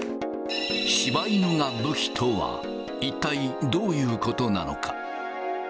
柴犬が武器とは、一体、どういうことなのか。